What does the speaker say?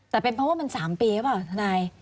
แต่เป็นเพราะว่ามันสามเป๊ว่าทนาย